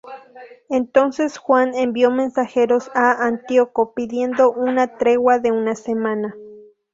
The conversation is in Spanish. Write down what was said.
Entonces Juan envió mensajeros a Antíoco pidiendo una tregua de una semana.